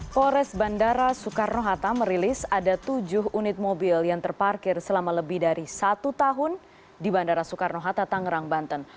polres bandara soekarno hatta merilis ada tujuh unit mobil yang terparkir selama lebih dari satu tahun di bandara soekarno hatta tangerang banten